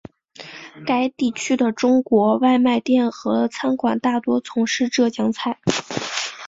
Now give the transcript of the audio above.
该地区的中国外卖店和餐馆大多从事浙江菜。